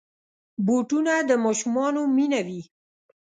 بوټونه د ماشومانو مینه وي.